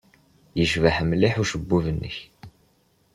Yecbeḥ mliḥ ucebbub-nnek.